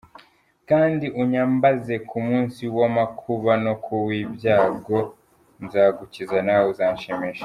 Kandi unyambaze ku munsi w’amakuba no ku w’ibyago, Nzagukiza nawe uzanshimisha.”